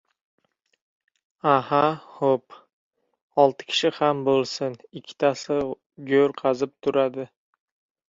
Aha, xo‘p, olti kishi ham bo‘lsin. Ikkitasi go‘r qazib turadi.